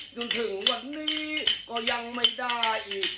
จนถึงวันนี้ก็ยังไม่ได้อีก